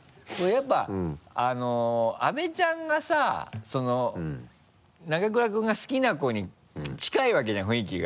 やっぱ阿部ちゃんがさ永倉君が好きな子に近いわけじゃん雰囲気が。